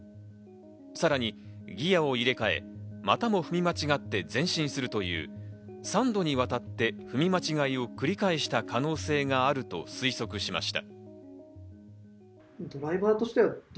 さらにギアを入れ替えまたも踏み間違って前進するという３度にわたって踏み間違いを繰り返した可能性があると推測しました。